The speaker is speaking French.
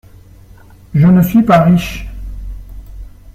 Je ne suis pas riche.